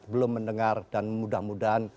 belum mendengar dan mudah mudahan